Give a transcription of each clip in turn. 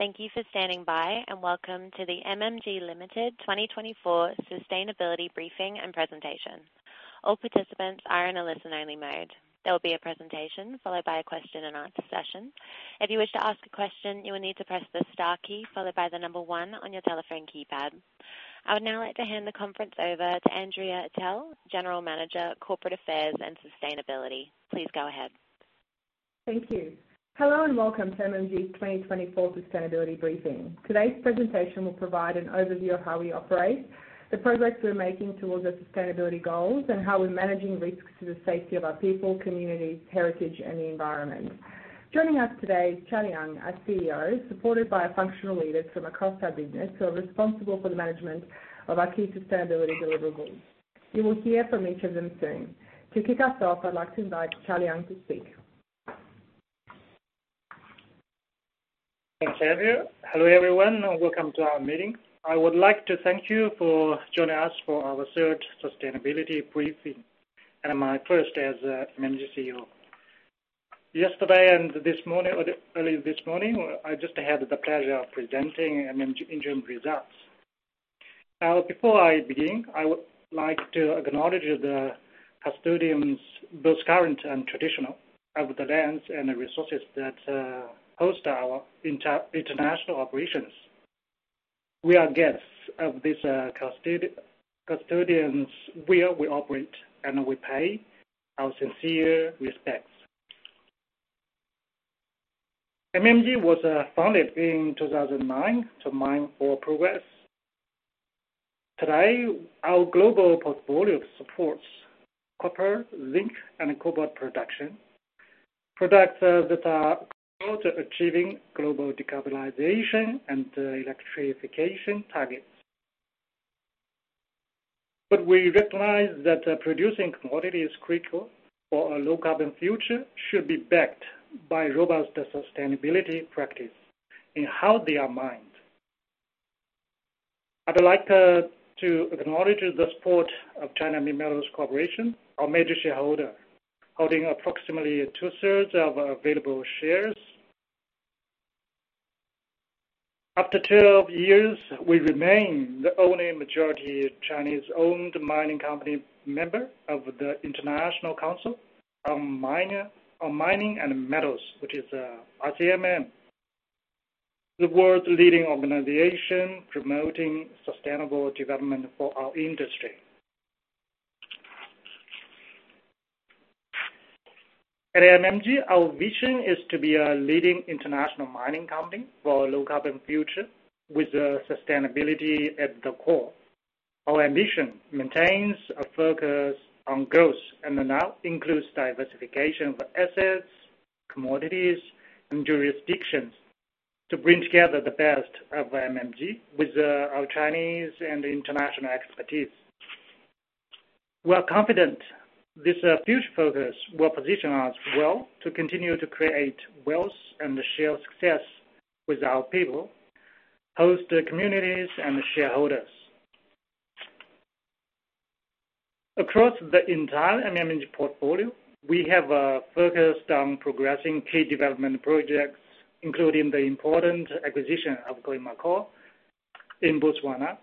Thank you for standing by, and welcome to the MMG Limited 2024 Sustainability Briefing and Presentation. All participants are in a listen-only mode. There will be a presentation followed by a question-and-answer session. If you wish to ask a question, you will need to press the star key followed by the number one on your telephone keypad. I would now like to hand the conference over to Andrea Atell, General Manager, Corporate Affairs and Sustainability. Please go ahead. Thank you. Hello, and welcome to MMG's 2024 sustainability briefing. Today's presentation will provide an overview of how we operate, the progress we're making towards our sustainability goals, and how we're managing risks to the safety of our people, communities, heritage, and the environment. Joining us today is Charlie Yang, our CEO, supported by our functional leaders from across our business, who are responsible for the management of our key sustainability deliverables. You will hear from each of them soon. To kick us off, I'd like to invite Charlie Yang to speak. Thanks, Andrea. Hello, everyone, and welcome to our meeting. I would like to thank you for joining us for our third sustainability briefing, and my first as MMG CEO. Yesterday and this morning, or early this morning, I just had the pleasure of presenting MMG interim results. Now, before I begin, I would like to acknowledge the custodians, both current and traditional, of the lands and the resources that host our international operations. We are guests of these custodians where we operate, and we pay our sincere respects. MMG was founded in 2009 to mine for progress. Today, our global portfolio supports copper, zinc, and cobalt production, products that are critical to achieving global decarbonization and electrification targets. But we recognize that producing commodity is critical for a low-carbon future, should be backed by robust sustainability practice in how they are mined. I'd like to acknowledge the support of China Minmetals Corporation, our major shareholder, holding approximately two-thirds of our available shares. After 12 years, we remain the only majority Chinese-owned mining company member of the International Council on Mining and Metals, which is ICMM, the world's leading organization promoting sustainable development for our industry. At MMG, our vision is to be a leading international mining company for a low-carbon future, with sustainability at the core. Our ambition maintains a focus on growth, and now includes diversification of assets, commodities, and jurisdictions to bring together the best of MMG with our Chinese and international expertise. We are confident this future focus will position us well to continue to create wealth and share success with our people, host the communities and shareholders. Across the entire MMG portfolio, we have a focus on progressing key development projects, including the important acquisition of Khoemacau in Botswana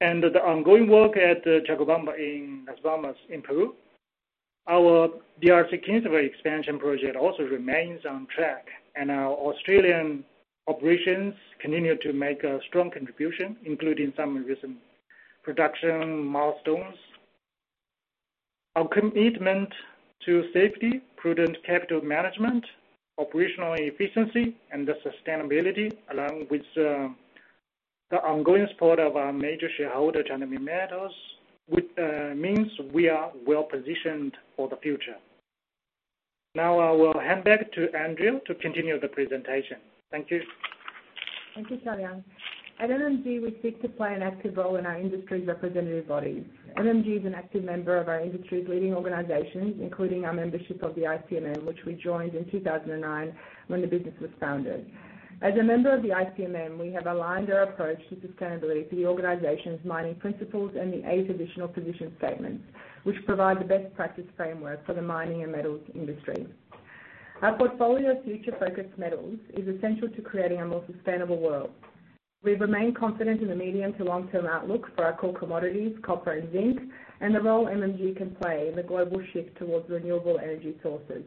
and the ongoing work at Chalcobamba in Las Bambas in Peru. Our DRC Kinsevere expansion project also remains on track, and our Australian operations continue to make a strong contribution, including some recent production milestones. Our commitment to safety, prudent capital management, operational efficiency, and the sustainability, along with the ongoing support of our major shareholder, China Minmetals, which means we are well-positioned for the future. Now, I will hand back to Andrea to continue the presentation. Thank you. Thank you, Charlie Yang. At MMG, we seek to play an active role in our industry's representative bodies. MMG is an active member of our industry's leading organizations, including our membership of the ICMM, which we joined in 2009 when the business was founded. As a member of the ICMM, we have aligned our approach to sustainability to the organization's mining principles and the eight additional position statements, which provide the best practice framework for the mining and metals industry. Our portfolio of future-focused metals is essential to creating a more sustainable world. We remain confident in the medium to long-term outlook for our core commodities, copper and zinc, and the role MMG can play in the global shift towards renewable energy sources.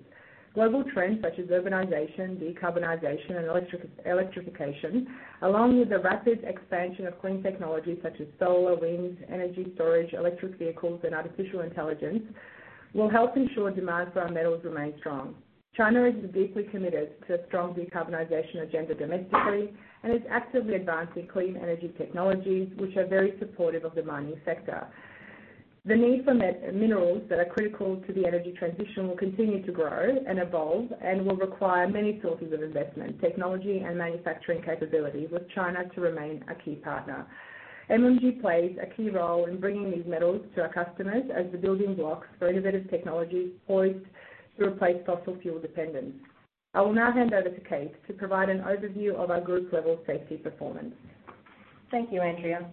Global trends such as urbanization, decarbonization, and electrification, along with the rapid expansion of clean technologies such as solar, wind, energy storage, electric vehicles, and artificial intelligence, will help ensure demand for our metals remain strong. China is deeply committed to a strong decarbonization agenda domestically, and is actively advancing clean energy technologies, which are very supportive of the mining sector. The need for minerals that are critical to the energy transition will continue to grow and evolve and will require many sources of investment, technology, and manufacturing capability, with China to remain a key partner. MMG plays a key role in bringing these metals to our customers as the building blocks for innovative technologies poised to replace fossil fuel dependence. I will now hand over to Kate to provide an overview of our group-level safety performance.... Thank you, Andrea.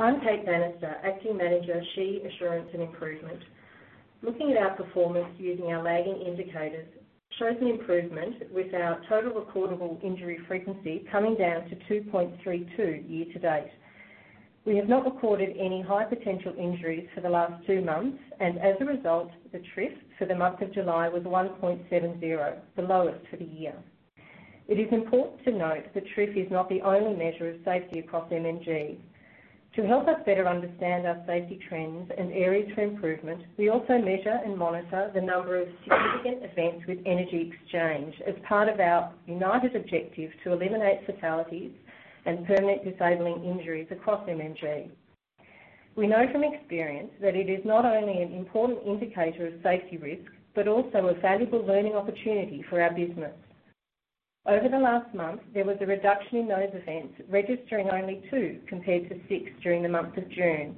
I'm Kate Bannister, Acting Manager, SHE Assurance and Improvement. Looking at our performance using our lagging indicators shows an improvement with our total recordable injury frequency coming down to 2.32 year to date. We have not recorded any high potential injuries for the last 2 months, and as a result, the TRIF for the month of July was 1.70, the lowest for the year. It is important to note that TRIF is not the only measure of safety across MMG. To help us better understand our safety trends and areas for improvement, we also measure and monitor the number of significant events with energy exchange as part of our united objective to eliminate fatalities and permanent disabling injuries across MMG. We know from experience that it is not only an important indicator of safety risk, but also a valuable learning opportunity for our business. Over the last month, there was a reduction in those events, registering only two compared to six during the month of June.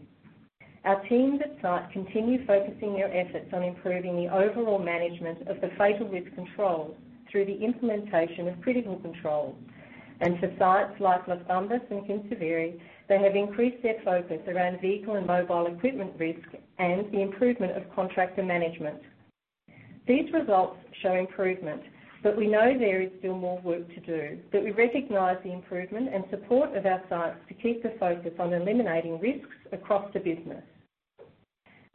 Our teams at site continue focusing their efforts on improving the overall management of the fatal risk control through the implementation of critical controls. And for sites like Las Bambas and Kinsevere, they have increased their focus around vehicle and mobile equipment risk and the improvement of contractor management. These results show improvement, but we know there is still more work to do, but we recognize the improvement and support of our sites to keep the focus on eliminating risks across the business.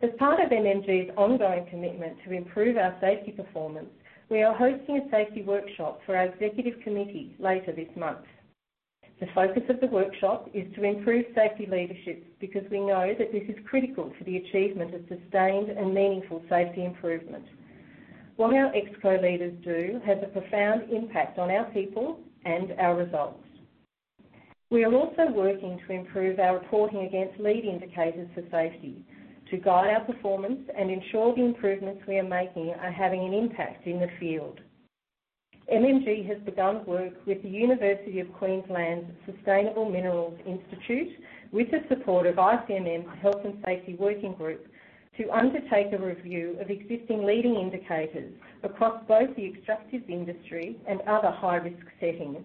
As part of MMG's ongoing commitment to improve our safety performance, we are hosting a safety workshop for our executive committee later this month. The focus of the workshop is to improve safety leadership, because we know that this is critical to the achievement of sustained and meaningful safety improvement. What our ExCo leaders do has a profound impact on our people and our results. We are also working to improve our reporting against lead indicators for safety, to guide our performance and ensure the improvements we are making are having an impact in the field. MMG has begun work with the University of Queensland Sustainable Minerals Institute, with the support of ICMM's Health and Safety Working Group, to undertake a review of existing leading indicators across both the extractive industry and other high-risk settings.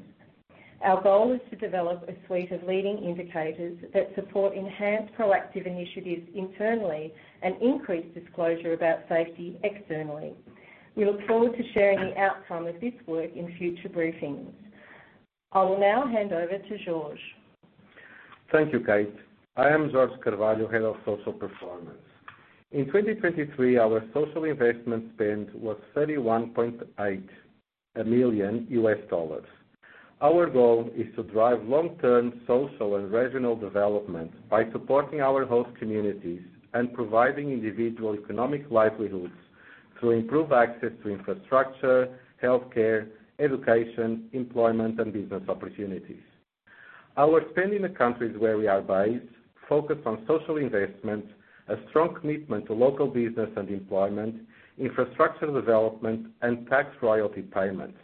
Our goal is to develop a suite of leading indicators that support enhanced proactive initiatives internally and increase disclosure about safety externally. We look forward to sharing the outcome of this work in future briefings. I will now hand over to Jorge. Thank you, Kate. I am Jorge Carvalho, Head of Social Performance. In 2023, our social investment spend was $31.8 million. Our goal is to drive long-term social and regional development by supporting our host communities and providing individual economic livelihoods through improved access to infrastructure, healthcare, education, employment, and business opportunities. Our spend in the countries where we are based focus on social investment, a strong commitment to local business and employment, infrastructure development, and tax royalty payments.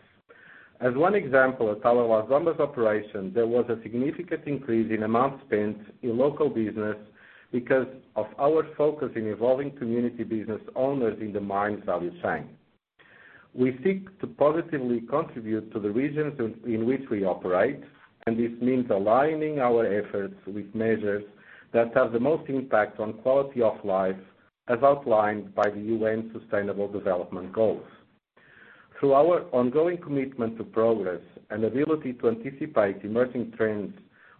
As one example, at our Las Bambas operation, there was a significant increase in amount spent in local business because of our focus in involving community business owners in the mine value chain. We seek to positively contribute to the regions in which we operate, and this means aligning our efforts with measures that have the most impact on quality of life, as outlined by the UN Sustainable Development Goals. Through our ongoing commitment to progress and ability to anticipate emerging trends,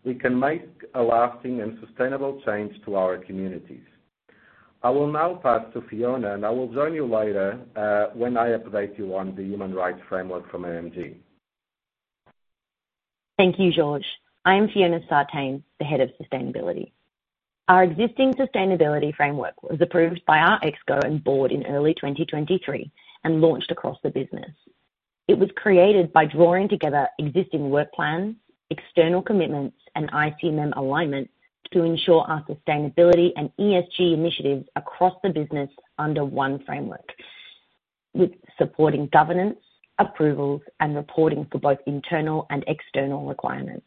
we can make a lasting and sustainable change to our communities. I will now pass to Fiona, and I will join you later, when I update you on the human rights framework from MMG. Thank you, Jorge. I am Fiona Sartain, the Head of Sustainability. Our existing sustainability framework was approved by our ExCo and board in early 2023 and launched across the business. It was created by drawing together existing work plans, external commitments, and ICMM alignment to ensure our sustainability and ESG initiatives across the business under one framework, with supporting governance, approvals, and reporting for both internal and external requirements.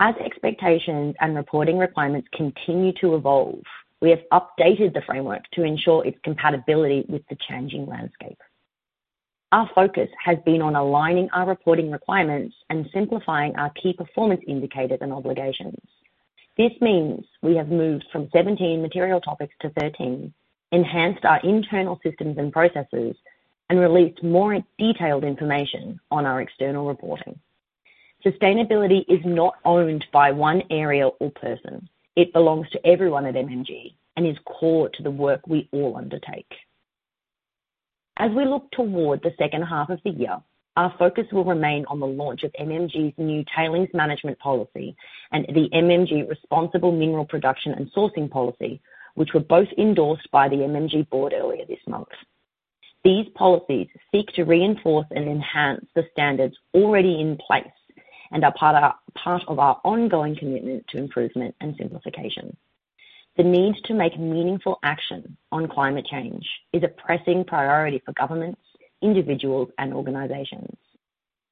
As expectations and reporting requirements continue to evolve, we have updated the framework to ensure its compatibility with the changing landscape. Our focus has been on aligning our reporting requirements and simplifying our key performance indicators and obligations. This means we have moved from 17 material topics to 13, enhanced our internal systems and processes, and released more detailed information on our external reporting. Sustainability is not owned by one area or person. It belongs to everyone at MMG and is core to the work we all undertake. As we look toward the second half of the year, our focus will remain on the launch of MMG's new Tailings Management Policy and the MMG Responsible Mineral Production and Sourcing Policy, which were both endorsed by the MMG board earlier this month. These policies seek to reinforce and enhance the standards already in place and are part of our ongoing commitment to improvement and simplification. The need to make meaningful action on climate change is a pressing priority for governments, individuals, and organizations.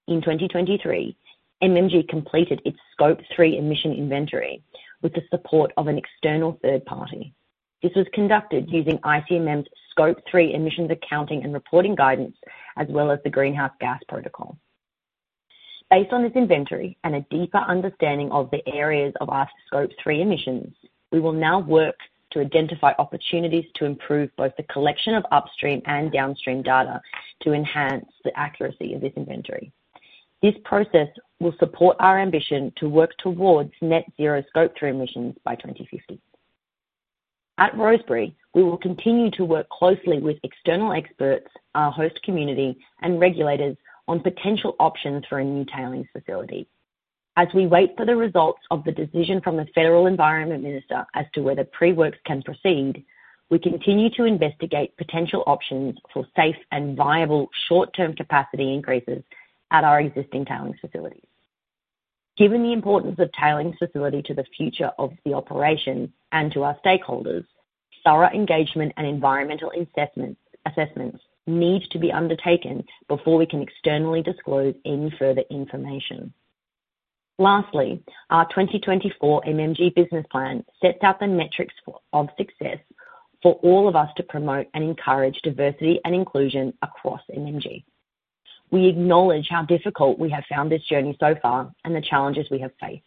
In 2023, MMG completed its Scope 3 emissions inventory with the support of an external third party. This was conducted using ICMM's Scope 3 emissions accounting and reporting guidance, as well as the Greenhouse Gas Protocol. Based on this inventory and a deeper understanding of the areas of our Scope 3 emissions, we will now work to identify opportunities to improve both the collection of upstream and downstream data to enhance the accuracy of this inventory. This process will support our ambition to work towards net zero Scope 3 emissions by 2050. At Rosebery, we will continue to work closely with external experts, our host community, and regulators on potential options for a new tailings facility. As we wait for the results of the decision from the Federal Environment Minister as to whether pre-works can proceed, we continue to investigate potential options for safe and viable short-term capacity increases at our existing tailings facilities. Given the importance of tailings facility to the future of the operation and to our stakeholders, thorough engagement and environmental assessments need to be undertaken before we can externally disclose any further information. Lastly, our 2024 MMG business plan sets out the metrics for success for all of us to promote and encourage diversity and inclusion across MMG. We acknowledge how difficult we have found this journey so far and the challenges we have faced.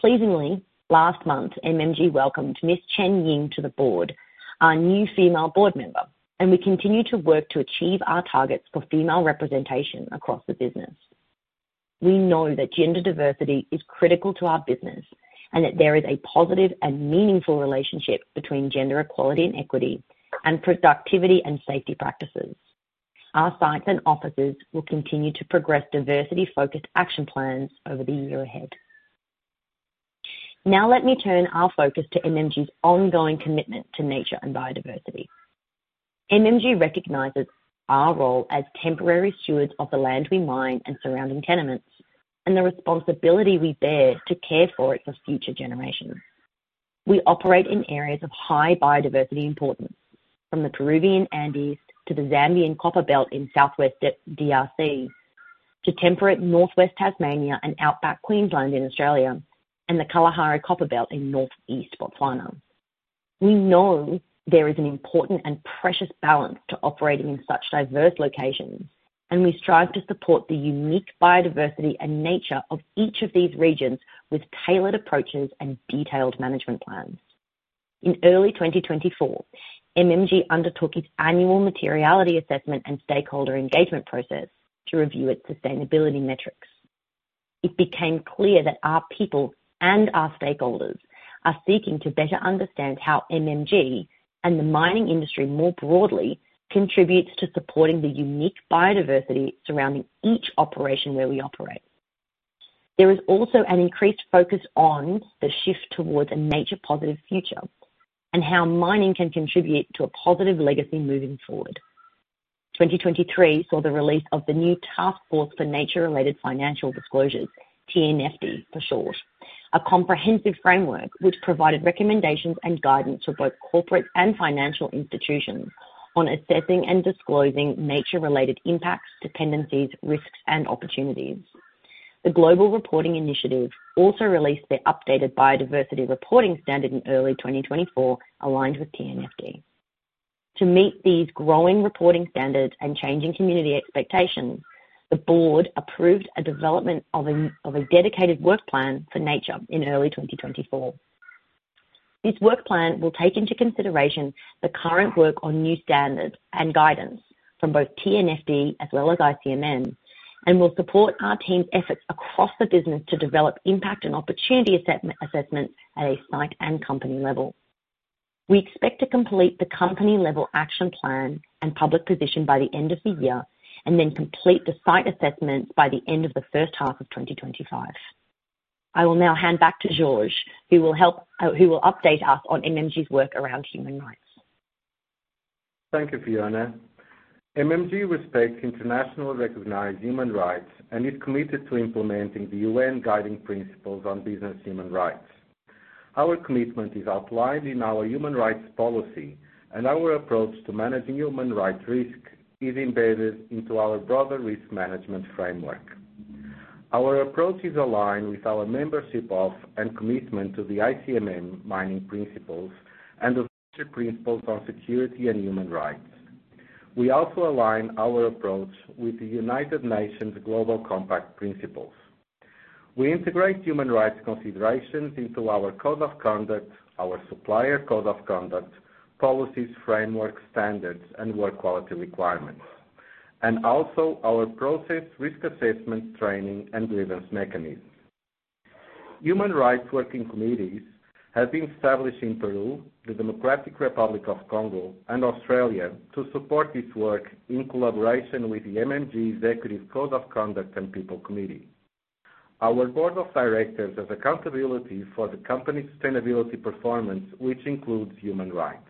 Pleasingly, last month, MMG welcomed Ms. Chen Ying to the board, our new female board member, and we continue to work to achieve our targets for female representation across the business. We know that gender diversity is critical to our business, and that there is a positive and meaningful relationship between gender equality and equity, and productivity and safety practices. Our sites and offices will continue to progress diversity-focused action plans over the year ahead. Now let me turn our focus to MMG's ongoing commitment to nature and biodiversity. MMG recognizes our role as temporary stewards of the land we mine and surrounding tenements, and the responsibility we bear to care for it for future generations. We operate in areas of high biodiversity importance, from the Peruvian Andes to the Zambian Copper Belt in southwest DRC, to temperate northwest Tasmania and outback Queensland in Australia, and the Kalahari Copper Belt in northeast Botswana. We know there is an important and precious balance to operating in such diverse locations, and we strive to support the unique biodiversity and nature of each of these regions with tailored approaches and detailed management plans. In early 2024, MMG undertook its annual materiality assessment and stakeholder engagement process to review its sustainability metrics. It became clear that our people and our stakeholders are seeking to better understand how MMG, and the mining industry more broadly, contributes to supporting the unique biodiversity surrounding each operation where we operate. There is also an increased focus on the shift towards a nature-positive future and how mining can contribute to a positive legacy moving forward. 2023 saw the release of the new Taskforce on Nature-related Financial Disclosures, TNFD for short, a comprehensive framework which provided recommendations and guidance for both corporate and financial institutions on assessing and disclosing nature-related impacts, dependencies, risks, and opportunities. The Global Reporting Initiative also released their updated biodiversity reporting standard in early 2024, aligned with TNFD. To meet these growing reporting standards and changing community expectations, the board approved a development of a dedicated work plan for nature in early 2024. This work plan will take into consideration the current work on new standards and guidance from both TNFD as well as ICMM, and will support our team's efforts across the business to develop impact and opportunity assessment at a site and company level. We expect to complete the company-level action plan and public position by the end of the year, and then complete the site assessments by the end of the first half of 2025. I will now hand back to Jorge, who will update us on MMG's work around human rights. Thank you, Fiona. MMG respects internationally recognized human rights and is committed to implementing the UN Guiding Principles on Business and Human Rights. Our commitment is outlined in our human rights policy, and our approach to managing human rights risk is embedded into our broader risk management framework. Our approach is aligned with our membership of and commitment to the ICMM Mining Principles and the Principles on Security and Human Rights. We also align our approach with the United Nations Global Compact Principles. We integrate human rights considerations into our code of conduct, our supplier code of conduct, policies, frameworks, standards, and work quality requirements, and also our process, risk assessment, training, and grievance mechanisms. Human rights working committees have been established in Peru, the Democratic Republic of Congo, and Australia to support this work in collaboration with the MMG Executive Code of Conduct and People Committee. Our board of directors has accountability for the company's sustainability performance, which includes human rights.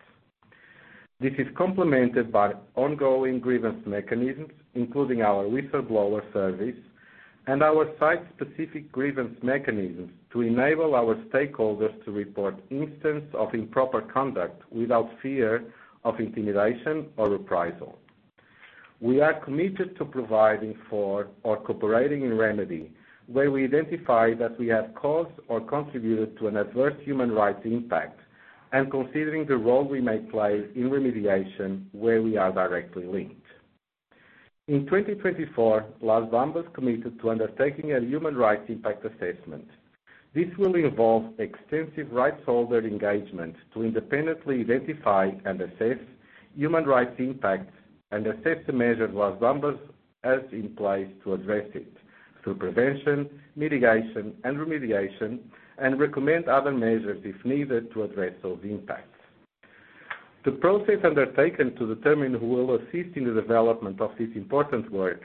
This is complemented by ongoing grievance mechanisms, including our whistleblower service and our site-specific grievance mechanisms, to enable our stakeholders to report instances of improper conduct without fear of intimidation or reprisal. We are committed to providing for or cooperating in remedy, where we identify that we have caused or contributed to an adverse human rights impact, and considering the role we may play in remediation, where we are directly linked. In 2024, Las Bambas committed to undertaking a human rights impact assessment. This will involve extensive rights holder engagement to independently identify and assess human rights impacts, and assess the measures Las Bambas has in place to address it, through prevention, mitigation, and remediation, and recommend other measures, if needed, to address those impacts. The process undertaken to determine who will assist in the development of this important work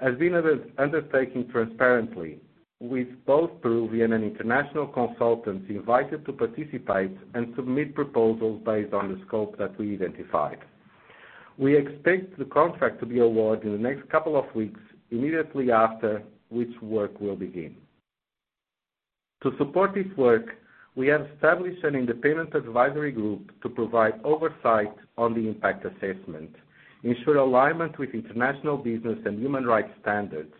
has been undertaken transparently, with both Peruvian and international consultants invited to participate and submit proposals based on the scope that we identified. We expect the contract to be awarded in the next couple of weeks, immediately after which work will begin. To support this work, we have established an independent advisory group to provide oversight on the impact assessment, ensure alignment with international business and human rights standards,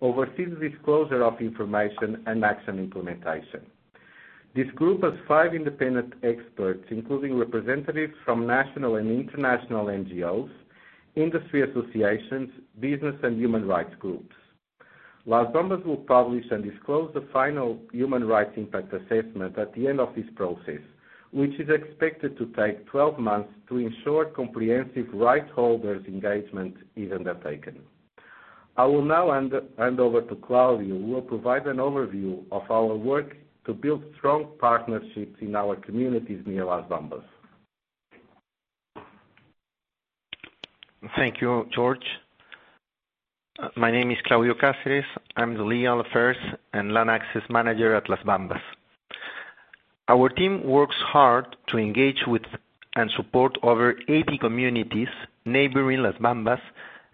oversee the disclosure of information and action implementation. This group has five independent experts, including representatives from national and international NGOs, industry associations, business and human rights groups. Las Bambas will publish and disclose the final human rights impact assessment at the end of this process, which is expected to take 12 months to ensure comprehensive rights holders engagement is undertaken. I will now hand over to Claudio, who will provide an overview of our work to build strong partnerships in our communities near Las Bambas. Thank you, Jorge. My name is Claudio Cáceres. I'm the Legal Affairs and Land Access Manager at Las Bambas. Our team works hard to engage with and support over 80 communities neighboring Las Bambas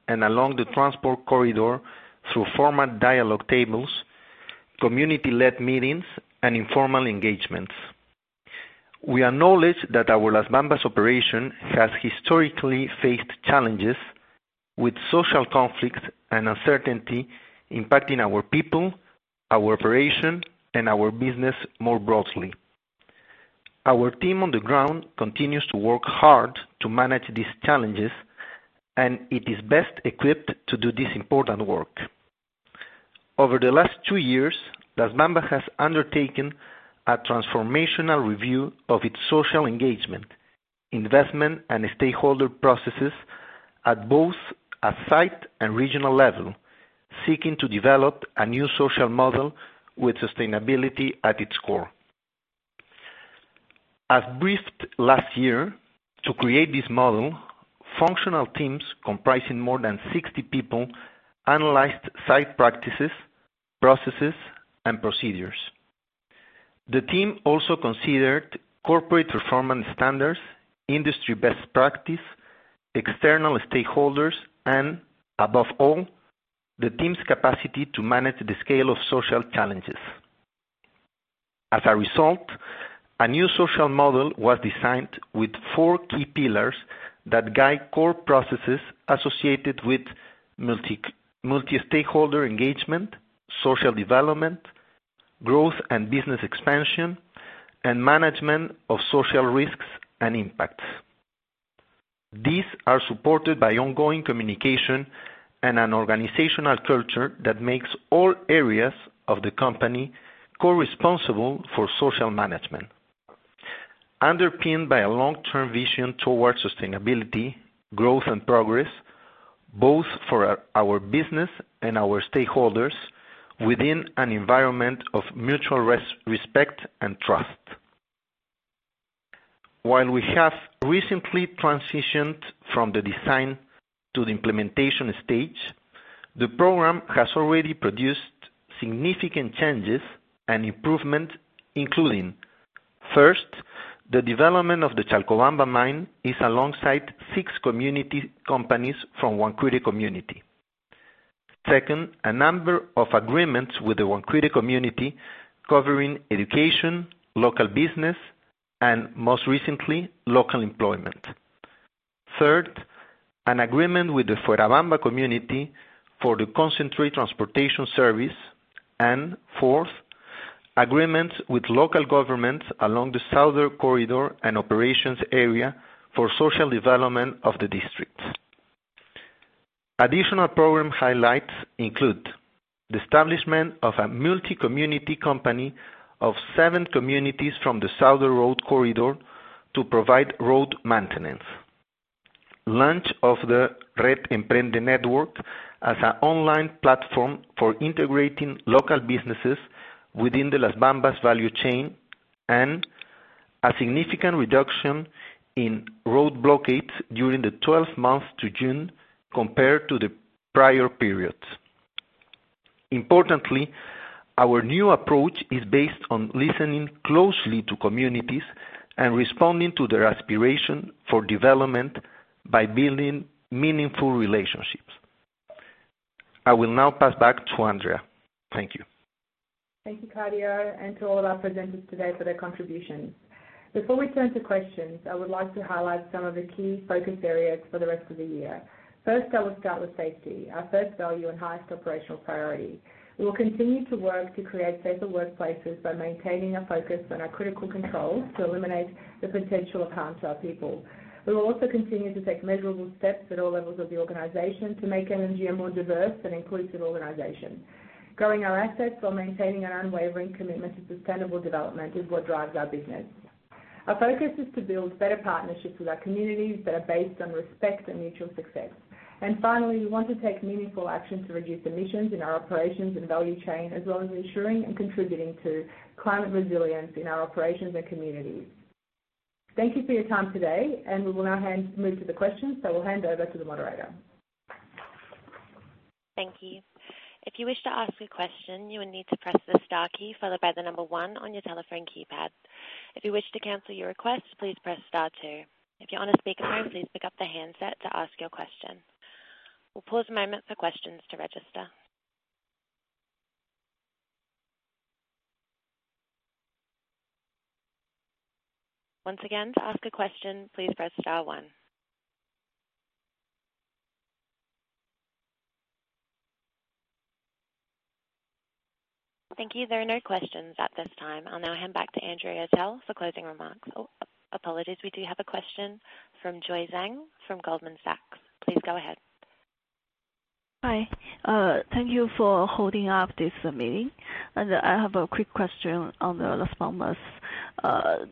and along the transport corridor through formal dialogue tables, community-led meetings, and informal engagements. We acknowledge that our Las Bambas operation has historically faced challenges, with social conflict and uncertainty impacting our people, our operation, and our business more broadly. Our team on the ground continues to work hard to manage these challenges, and it is best equipped to do this important work. Over the last two years, Las Bambas has undertaken a transformational review of its social engagement, investment, and stakeholder processes at both a site and regional level, seeking to develop a new social model with sustainability at its core. As briefed last year, to create this model, functional teams comprising more than 60 people analyzed site practices, processes, and procedures. The team also considered corporate performance standards, industry best practice, external stakeholders, and, above all, the team's capacity to manage the scale of social challenges. As a result, a new social model was designed with four key pillars that guide core processes associated with multi-stakeholder engagement, social development, growth and business expansion, and management of social risks and impacts. These are supported by ongoing communication and an organizational culture that makes all areas of the company co-responsible for social management, underpinned by a long-term vision towards sustainability, growth, and progress, both for our business and our stakeholders, within an environment of mutual respect and trust. While we have recently transitioned from the design to the implementation stage, the program has already produced significant changes and improvement, including, first, the development of the Chalcobamba mine alongside six community companies from Huancuire community. Second, a number of agreements with the Huancuire community covering education, local business, and most recently, local employment. Third, an agreement with the Fuerabamba community for the concentrate transportation service, and fourth, agreements with local governments along the southern corridor and operations area for social development of the district. Additional program highlights include the establishment of a multi-community company of seven communities from the southern road corridor to provide road maintenance. Launch of the Red Emprende Network as an online platform for integrating local businesses within the Las Bambas value chain, and a significant reduction in road blockades during the 12 months to June, compared to the prior periods. Importantly, our new approach is based on listening closely to communities and responding to their aspiration for development by building meaningful relationships.... I will now pass back to Andrea. Thank you. Thank you, Claudio, and to all of our presenters today for their contributions. Before we turn to questions, I would like to highlight some of the key focus areas for the rest of the year. First, I will start with safety, our first value and highest operational priority. We will continue to work to create safer workplaces by maintaining a focus on our critical controls to eliminate the potential of harm to our people. We will also continue to take measurable steps at all levels of the organization to make MMG a more diverse and inclusive organization. Growing our assets while maintaining an unwavering commitment to sustainable development is what drives our business. Our focus is to build better partnerships with our communities that are based on respect and mutual success. Finally, we want to take meaningful action to reduce emissions in our operations and value chain, as well as ensuring and contributing to climate resilience in our operations and communities. Thank you for your time today, and we will now move to the questions, so we'll hand over to the moderator. Thank you. If you wish to ask a question, you will need to press the star key followed by the number one on your telephone keypad. If you wish to cancel your request, please press star two. If you're on a speakerphone, please pick up the handset to ask your question. We'll pause a moment for questions to register. Once again, to ask a question, please press star one. Thank you. There are no questions at this time. I'll now hand back to Andrea for closing remarks. Oh, apologies. We do have a question from Joy Zhang from Goldman Sachs. Please go ahead. Hi, thank you for holding up this meeting. I have a quick question on the Las Bambas,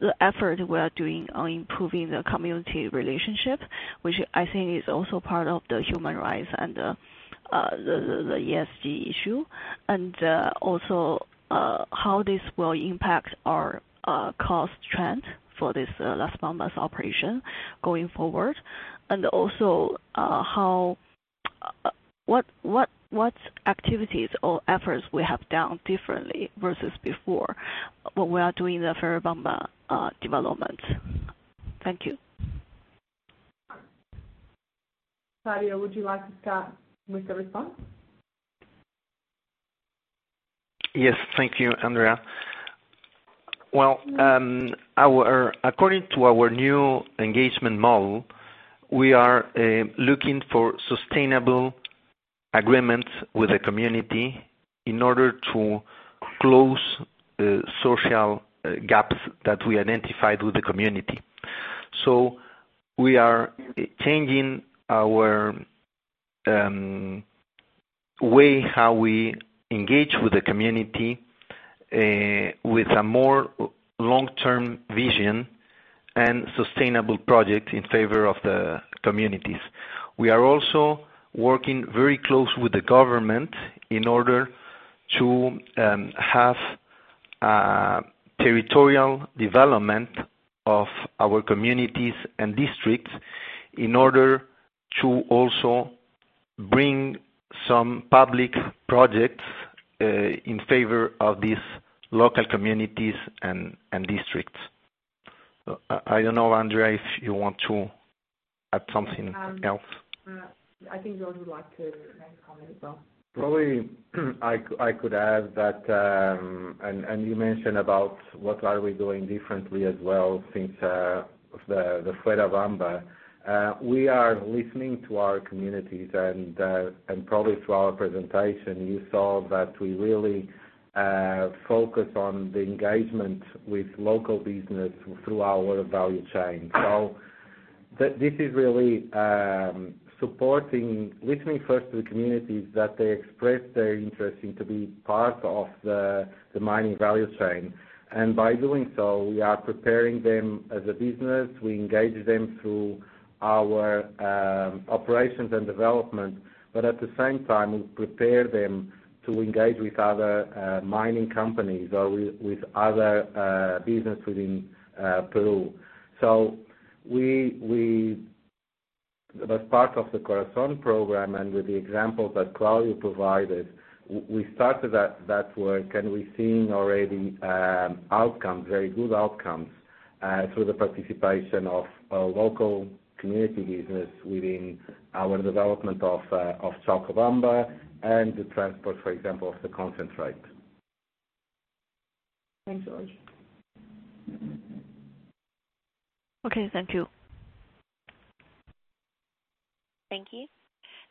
the effort we are doing on improving the community relationship, which I think is also part of the human rights and the ESG issue. Also, how this will impact our cost trend for this Las Bambas operation going forward. Also, how what activities or efforts we have done differently versus before, what we are doing the Fuerabamba development? Thank you. Claudio, would you like to start with the response? Yes. Thank you, Andrea. Well, according to our new engagement model, we are looking for sustainable agreements with the community in order to close social gaps that we identified with the community. So we are changing our way how we engage with the community with a more long-term vision and sustainable project in favor of the communities. We are also working very close with the government in order to have territorial development of our communities and districts, in order to also bring some public projects in favor of these local communities and districts. I don't know, Andrea, if you want to add something else. I think Jorge would like to make a comment as well. Probably, I could add that. And you mentioned about what we are doing differently as well since the Fuerabamba. We are listening to our communities and probably through our presentation, you saw that we really focus on the engagement with local business through our value chain. So this is really supporting, listening first to the communities that they express their interest to be part of the mining value chain. And by doing so, we are preparing them as a business. We engage them through our operations and development, but at the same time, we prepare them to engage with other mining companies or with other businesses within Peru. So we, as part of the Corazon program and with the examples that Claudio provided, we started that work, and we're seeing already outcomes, very good outcomes, through the participation of local community business within our development of Chalcobamba and the transport, for example, of the concentrate. Thanks, Jorge. Okay. Thank you. Thank you.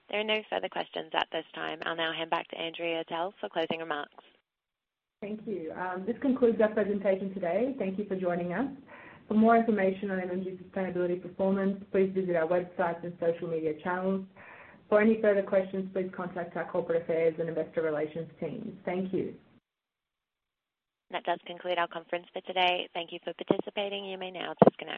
There are no further questions at this time. I'll now hand back to Andrea for closing remarks. Thank you. This concludes our presentation today. Thank you for joining us. For more information on energy sustainability performance, please visit our website and social media channels. For any further questions, please contact our corporate affairs and investor relations team. Thank you. That does conclude our conference for today. Thank you for participating. You may now disconnect.